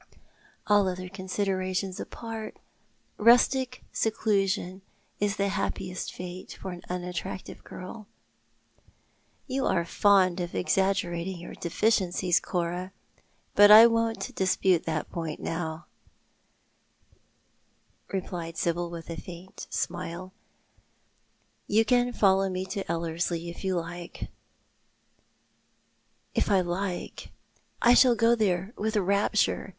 All other considerations apart, rustic seclusion is the happiest fate for an unattractive girl." ''And the Devil may pipe to his ozutC 315 " You are fond of exaggerating your deficiencies, Cora, but I won't dispute that point now," replied Sibyl, with a faint smile. " You can follow me to Ellerslie if you like." " If I like— I shall go there with rapture.